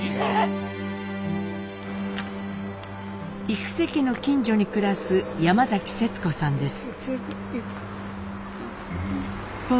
幾瀬家の近所に暮らす山節子さんです。